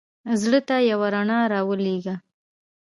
زړه ته یوه رڼا را ولېږه.